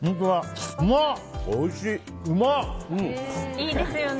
いいですね。